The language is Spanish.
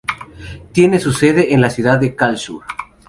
Tiene su sede en la ciudad de Karlsruhe.